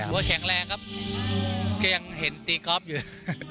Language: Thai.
ว่าแข็งแรงครับก็ยังเห็นตีกอล์ฟอยู่